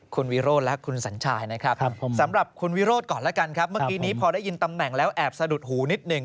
คุณวิโรธและคุณสัญชายนะครับสำหรับคุณวิโรธก่อนแล้วกันครับเมื่อกี้นี้พอได้ยินตำแหน่งแล้วแอบสะดุดหูนิดหนึ่ง